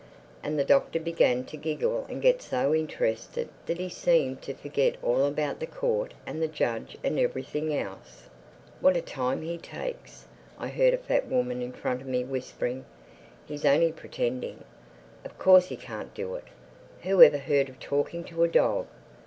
And the Doctor began to giggle and get so interested that he seemed to forget all about the Court and the judge and everything else. "What a time he takes!" I heard a fat woman in front of me whispering. "He's only pretending. Of course he can't do it! Who ever heard of talking to a dog?